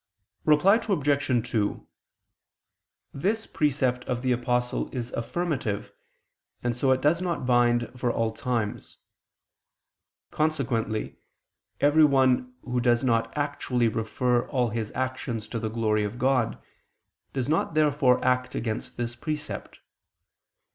Reply Obj. 2: This precept of the Apostle is affirmative, and so it does not bind for all times. Consequently everyone who does not actually refer all his actions to the glory of God, does not therefore act against this precept.